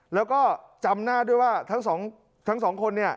แล้วก็จำหน้าด้วยว่าทั้งสองคนเนี่ย